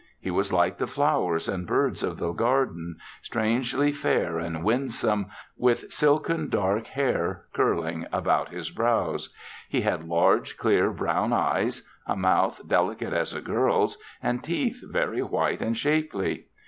He was like the flowers and birds of the garden, strangely fair and winsome, with silken, dark hair curling about his brows. He had large, clear, brown eyes, a mouth delicate as a girl's and teeth very white and shapely.